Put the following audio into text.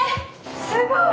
すごい！